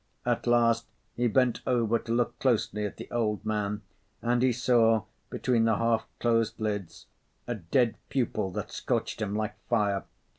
At last he bent over to look closely at the old man and he saw, between the half closed lids, a dead pupil that scorched him like fire.